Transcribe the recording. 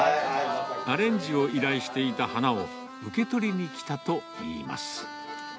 アレンジを依頼していた花を、受け取りにきたといいます。